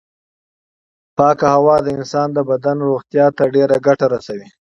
پاکه هوا د انسان د بدن روغتیا ته ډېره ګټه رسوي.